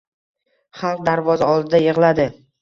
Xalq darvoza oldida yig‘iladi.